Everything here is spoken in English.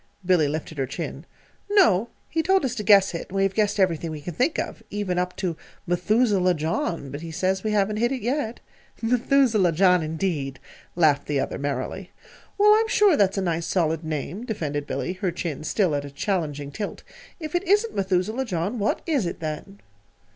Billy lifted her chin. "No. He told us to guess it, and we have guessed everything we can think of, even up to 'Methuselah John'; but he says we haven't hit it yet." "'Methuselah John,' indeed!" laughed the other, merrily. "Well, I'm sure that's a nice, solid name," defended Billy, her chin still at a challenging tilt. "If it isn't 'Methuselah John,' what is it, then?"